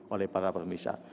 oleh para permisah